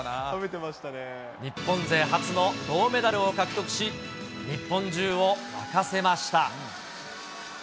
日本勢初の銅メダルを獲得し、日本中を沸かせました。